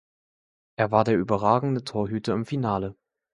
Er war der überragende Torhüter im Finale.